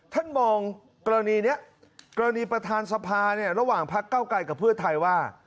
ท่านมองกรณีนี้กรณีประธานสภาเนี่ยระหว่างพักเก้าไกลกับเพื่อไทยว่า